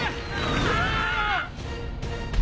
うわ！